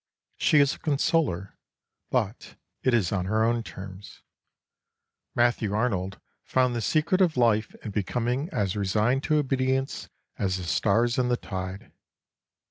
She is a consoler, but it is on her own terms. Matthew Arnold found the secret of life in becoming as resigned to obedience as the stars and the tide.